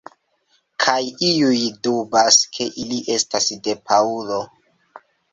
Kaj iuj dubas ke ili estas de Paŭlo.